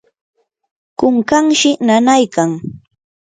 kunkanshi nanaykan.